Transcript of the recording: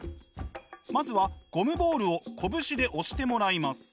まずはゴムボールを拳で押してもらいます。